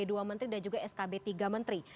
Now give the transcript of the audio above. dua menteri dan juga skb tiga menteri